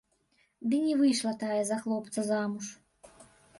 Ды не выйшла тая за хлопца замуж.